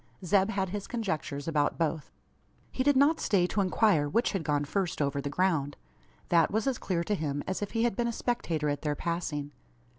Zeb had his conjectures about both. He did not stay to inquire which had gone first over the ground. That was as clear to him, as if he had been a spectator at their passing.